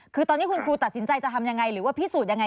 คือตอนนี้คุณครูตัดสินใจจะทำยังไง